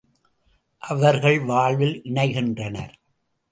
அவர்கள் வாழ்வில் இணைகின்றனர்.